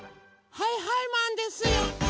はいはいマンですよ！